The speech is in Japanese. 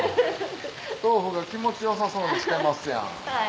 豆腐が気持ち良さそうにしてますやん。